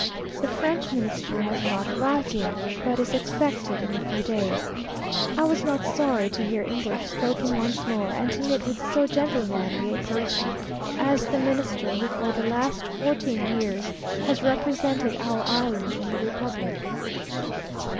The French Minister has not arrived yet, but is expected in a few days. I was not sorry to hear English spoken once more, and to meet with so gentlemanly a person as the Minister who for the last fourteen years has represented our island in the Republic.